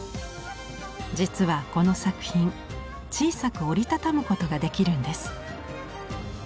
実はこの作品小さく折り畳むことができるんです。